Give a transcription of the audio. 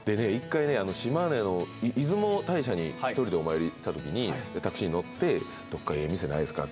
１回ね島根の出雲大社に１人でお参り行ったときにタクシーに乗って「どこかええ店ないですか？」